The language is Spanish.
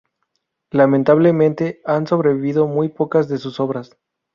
Lamentablemente han sobrevivido muy pocas de sus obras.